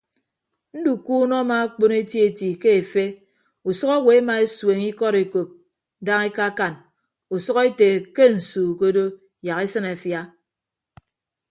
Ndukuunọ amaakpon etieti ke efe usʌk owo emaesueñ ikọd ekop daña ekaakan usʌk ete ke nsu ke odo yak esịn afia.